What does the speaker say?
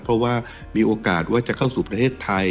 เพราะว่ามีโอกาสว่าจะเข้าสู่ประเทศไทย